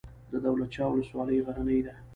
د دولت شاه ولسوالۍ غرنۍ ده